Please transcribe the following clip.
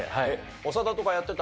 長田とかやってた？